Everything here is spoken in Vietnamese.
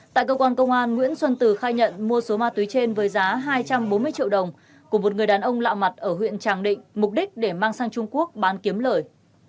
tại cơ quan công an nguyễn xuân từ khai nhận mua số ma túy trên với giá hai trăm bốn mươi triệu đồng của một người đàn ông lạ mặt ở huyện tràng định mục đích để mang sang trung quốc bán kiếm lời